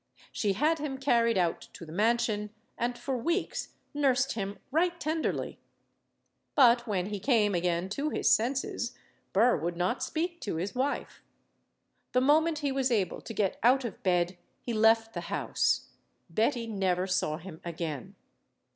She had him carried out to the mansion, and for weeks nursed him right tenderly. But when he came again to his senses, Burr would not speak to his wife. The moment he was able to get out of bed, he left the house. Betty never saw him again.